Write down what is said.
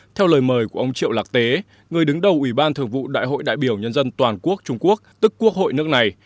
theo lời mời của ông triệu lạc tế người đứng đầu ủy ban thường vụ đại hội đại biểu nhân dân toàn quốc trung quốc tức quốc hội nước này